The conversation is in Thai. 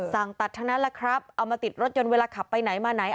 สั่งตัดทั้งนั้นแหละครับเอามาติดรถยนต์เวลาขับไปไหนมาไหน